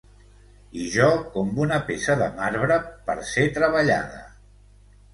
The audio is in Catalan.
I jo com una peça de marbre per ser treballada.